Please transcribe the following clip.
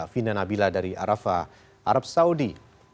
vina nabila dari arafah arab saudi